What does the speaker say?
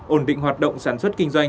ổn định hoạt động sản xuất kinh doanh